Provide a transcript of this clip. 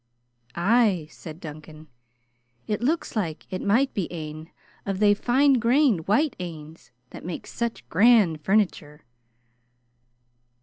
"Ay," said Duncan. "It looks like it might be ane of thae fine grained white anes that mak' such grand furniture."